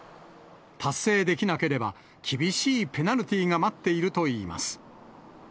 達成できなければ、厳しいペナルティーが待っているといいます。